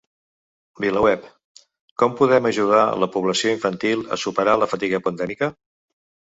VilaWeb: Com podem ajudar la població infantil a superar la fatiga pandèmica?